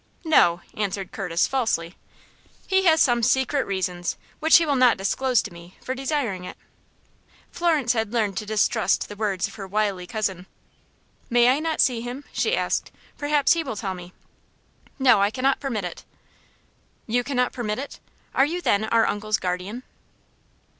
"No," answered Curtis, falsely. "He has some secret reason, which he will not disclose to me, for desiring it." Florence had learned to distrust the words of her wily cousin. "May I not see him?" she asked. "Perhaps he will tell me." "No; I cannot permit it." "You cannot permit it? Are you, then, our uncle's guardian?"